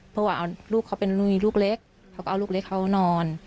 เพราะว่าลูกเขาเป็นลูกเล็กเขาก็เอาลูกเล็กเขานอน